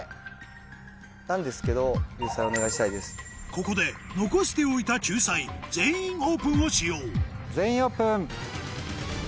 ここで残しておいた救済「全員オープン」を使用全員オープン。